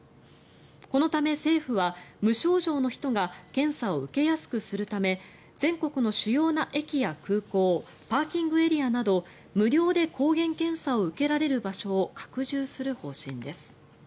このため政府は無症状の人が検査を受けやすくするため全国の主要な駅や空港パーキングエリアなど無料で抗原検査を受けられる場所を拡充する方針です。